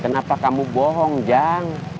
kenapa kamu bohong jang